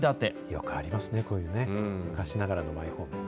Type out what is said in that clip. よくありますね、こういうのね、昔ながらのマイホーム。